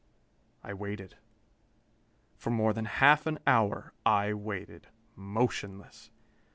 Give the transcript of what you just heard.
I waited. For more than half an hour I waited, motionless.